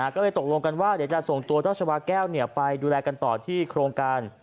ก็เลยตกลงกันว่าเดี๋ยวจะส่งตัวเจ้าชาวาแก้วไปดูแลกันต่อที่โครงการ